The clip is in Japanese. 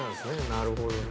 なるほどね。